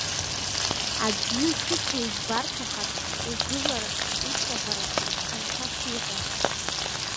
Аӡы шыцәоу избарҭахар, угылара уҵабарахарц анцәа сиҳәон.